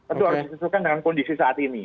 itu harus disesuaikan dengan kondisi saat ini